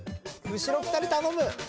後ろ２人頼む！